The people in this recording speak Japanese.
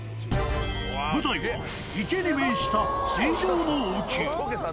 舞台は、池に面した水上の王宮。